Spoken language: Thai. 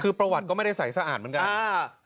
คือประวัติก็ไม่ได้ใส่สะอาดเหมือนกัน